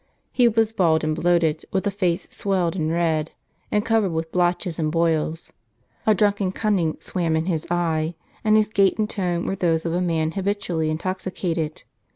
He was bald and bloated, with a face swelled, and red, and covered with blotches and boils. A drunken cunning swam in his eye, and his gait and tone were those of a man habitually intoxicated.